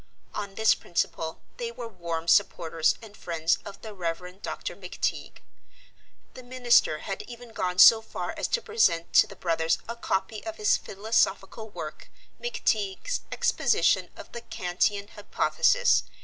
On this principle they were warm supporters and friends of the Rev. Dr. McTeague. The minister had even gone so far as to present to the brothers a copy of his philosophical work "McTeague's Exposition of the Kantian Hypothesis."